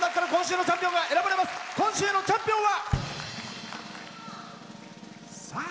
今週のチャンピオンは。